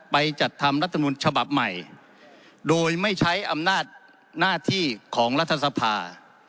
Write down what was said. จัดทำรัฐมนุนฉบับใหม่โดยไม่ใช้อำนาจหน้าที่ของรัฐสภา